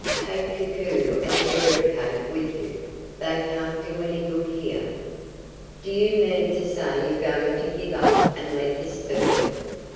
Take Koku and Eradicate with you. They can't do any good here." "Do you mean to say you're going to give up and let this burn?"